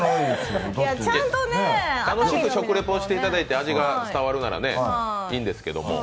食レポしていただいて、味が伝わるならいいんですけど。